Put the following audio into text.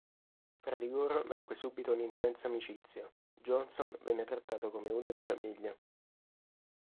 Fra di loro nacque subito un'intensa amicizia; Johnson venne trattato come uno di famiglia.